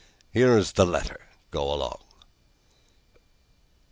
Here is the letter. Go along."